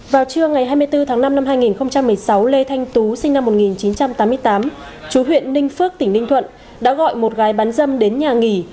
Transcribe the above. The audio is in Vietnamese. vào trưa ngày hai mươi bốn tháng năm năm hai nghìn một mươi sáu lê thanh tú sinh năm một nghìn chín trăm tám mươi tám chú huyện ninh phước tỉnh ninh thuận đã gọi một gái bán dâm đến nhà nghỉ